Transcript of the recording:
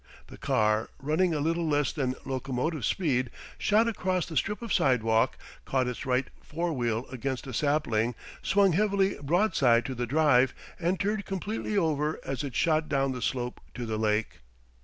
The car, running a little less than locomotive speed, shot across the strip of sidewalk, caught its right forewheel against a sapling, swung heavily broadside to the drive, and turned completely over as it shot down the slope to the lake.